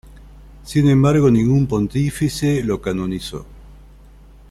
Sin embargo ningún pontífice le canonizó.